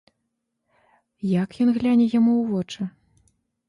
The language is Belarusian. Як ён гляне яму ў вочы?